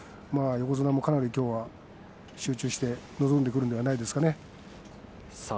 横綱もかなりきょうは集中して臨んでくるのではないでしょうか。